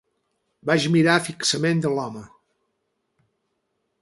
Vaig mirar fixament l'home.